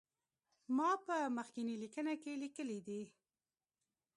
ما په مخکینی لیکنه کې لیکلي دي.